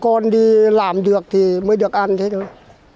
con đi làm được thì mới được ăn thế thôi